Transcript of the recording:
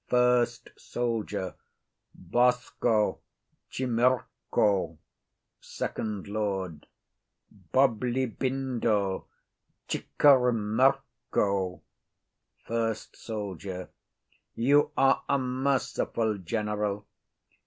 FIRST SOLDIER. Bosko chimurcho. FIRST LORD. Boblibindo chicurmurco. FIRST SOLDIER. You are a merciful general.